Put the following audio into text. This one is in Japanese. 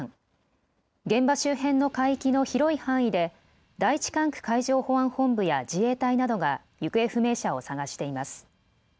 現場周辺の海域の広い範囲で第１管区海上保安本部や自衛隊などが行方不明者を捜しています。